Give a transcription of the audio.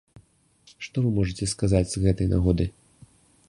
Што вы можаце сказаць з гэтай нагоды?